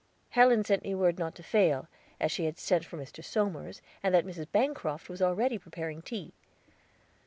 Helen sent me word not to fail, as she had sent for Mr. Somers, and that Mrs. Bancroft was already preparing tea.